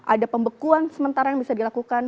ada pembekuan sementara yang bisa dilakukan